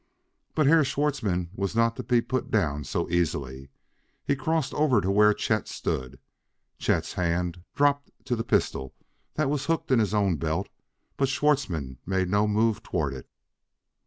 But Herr Schwartzmann was not to be put down so easily. He crossed over to where Chet stood. Chet's hand dropped to the pistol that was hooked in his own belt, but Schwartzmann made no move toward it.